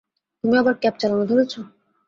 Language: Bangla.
তুমি আবার ক্যাব চালানো ধরেছো?